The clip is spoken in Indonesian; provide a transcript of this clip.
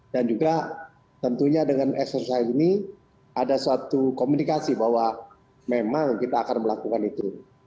dan juga tentunya dengan eksersis saya ini ada suatu komunikasi bahwa memang kita akan melakukan itu